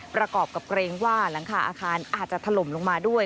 ประกอบกับเกรงว่าหลังคาอาคารอาจจะถล่มลงมาด้วย